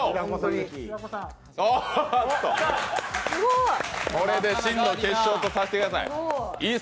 おっと、これで真の決勝とさせてください。